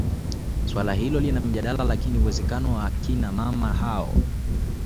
Suala hilo lina mjadala lakini uwezekano wa akina mama hao